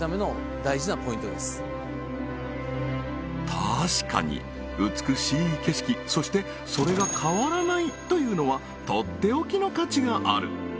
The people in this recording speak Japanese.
確かに美しい景色そしてそれが変わらないというのはとっておきの価値がある！